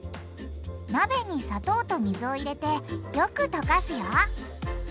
鍋に砂糖と水を入れてよく溶かすよ。